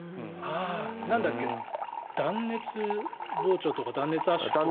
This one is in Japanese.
なんだっけ断熱膨張とか断熱圧縮とか。